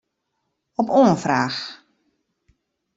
Op oanfraach.